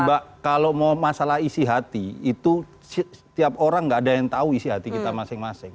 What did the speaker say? mbak kalau mau masalah isi hati itu setiap orang tidak ada yang tahu isi hati kita masing masing